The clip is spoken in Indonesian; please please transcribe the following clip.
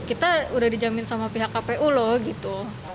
kita sudah dijamin sama pihak kpu loh gitu